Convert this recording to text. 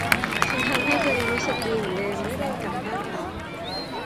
ฉันทำให้ตัวเองรู้สึกดีเหมือนเดิมและเดินกลับบ้านต่อ